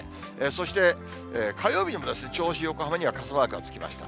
そして火曜日に銚子、横浜には傘マークがつきました。